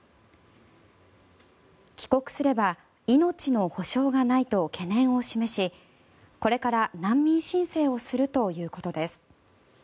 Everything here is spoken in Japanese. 帰国すれば命の保証がないと懸念を示しこれから難民申請をするということです。